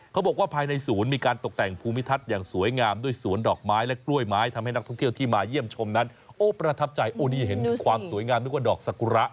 เขาบอกว่าภายในศูนย์มีการตกแต่งภูมิทัศน์อย่างสวยงามด้วยสวนดอกไม้และกล้วยไม้ทำให้นักท่องเที่ยวที่มาเยี่ยมชมนั้นโอ้ประทับใจโอ้นี่เห็นความสวยงามนึกว่าดอกสกุระ